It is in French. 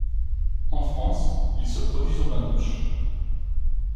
En France, ils se produisent aux Bains Douches.